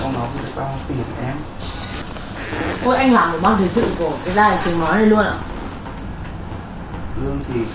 còn nước em ạ chứ rồi